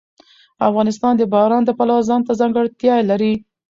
افغانستان د باران د پلوه ځانته ځانګړتیا لري.